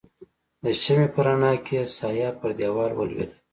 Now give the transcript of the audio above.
د شمعې په رڼا کې يې سایه پر دیوال ولوېدل.